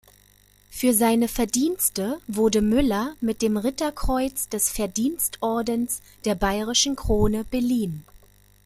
Für seine Verdienste wurde Müller mit dem Ritterkreuz des Verdienstordens der Bayerischen Krone beliehen.